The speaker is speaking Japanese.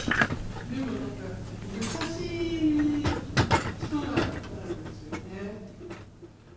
でもなんか優しい人だったんですよね。